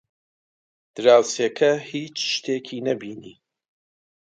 دراوسێکە هیچ شتێکی نەبینی.